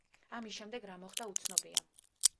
ამის შემდეგ რა მოხდა უცნობია.